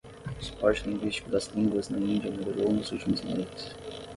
O suporte linguístico das línguas na Índia melhorou nos últimos meses.